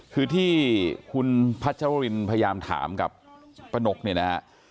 คือที่คุณพัชรวรินพยายามถามกับป้านกเนี่ยนะฮะ